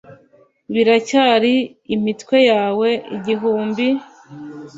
biracyari imitwe yawe igihumbi